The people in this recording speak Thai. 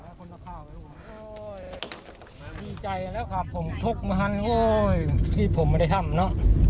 ดีใจแล้วค่ะผมทกมหันโอ้ยที่ผมไม่ได้ทำเนอะ